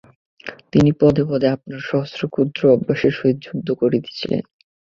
তিনি পদে পদে আপনার সহস্র ক্ষুদ্র অভ্যাসের সহিত যুদ্ধ করিতেছিলেন।